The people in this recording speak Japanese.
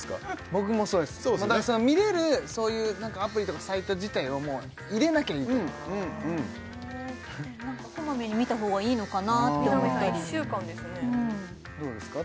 僕もそうですだから見れるそういう何かアプリとかサイト自体をもう入れなきゃいいと思う何か小まめに見たほうがいいのかなって思ったり南さん１週間ですねどうですか？